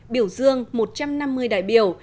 biểu dương một trăm năm mươi đại biểu